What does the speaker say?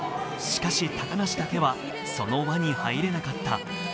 しかし、高梨だけはその輪に入れなかった。